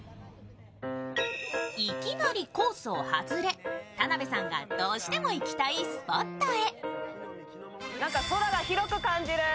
いきなりコースを外れ田辺さんがどうしても行きたいスポットへ。